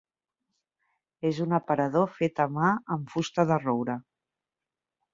És un aparador fet a mà amb fusta de roure.